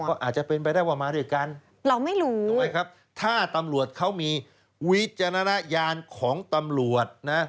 ก็อาจจะเป็นไปได้ว่ามาด้วยกันถ้าตำรวจเขามีวิจารณญาณของตำรวจนะ